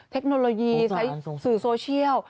เทคโนโลยีใช้สื่อโซเชียล